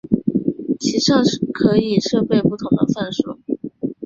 其上可以装备不同的范数。